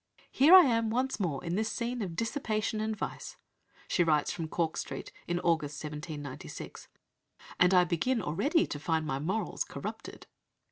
"Here I am once more in this scene of dissipation and vice," she writes from Cork Street in August 1796, "and I begin already to find my morals corrupted."